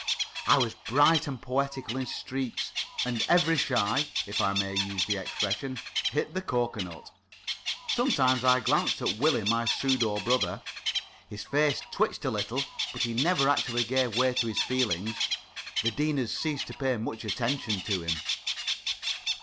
I was bright and poetical in streaks, and every shy if I may use the expression hit the coco nut. Sometimes I glanced at Willie, my pseudo brother. His face twitched a little, but he never actually gave way to his feelings. The Dean had ceased to pay much attention to him.